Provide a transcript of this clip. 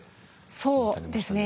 そうですね。